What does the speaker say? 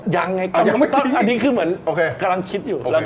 ยังไงก็อันนี้คือเหมือนกำลังคิดอยู่ยังไม่จริง